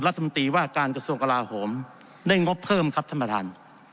รัฐมนตรีว่าการกระทรวงกลาโหมได้งบเพิ่มครับท่านประธาน